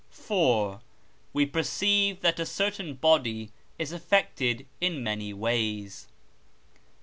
IV. We perceive that a certain body is affected in many ways.